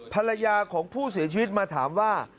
ภรรยาของผู้เสียชีวิตมาถามว่า